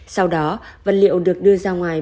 sau đó vật liệu được đưa ra ngoài